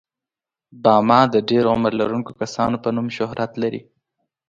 باما د ډېر عمر لرونکو کسانو په نوم شهرت لري.